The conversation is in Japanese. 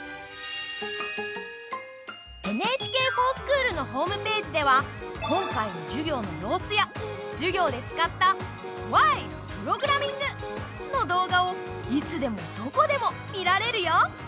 ＮＨＫｆｏｒＳｃｈｏｏｌのホームページでは今回の授業の様子や授業で使った「Ｗｈｙ！？プログラミング」の動画をいつでもどこでも見られるよ。